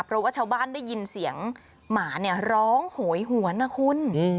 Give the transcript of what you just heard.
เพราะว่าชาวบ้านได้ยินเสียงหมาร้องหวยหัวนะคุณ